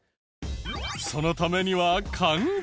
そのためには換気。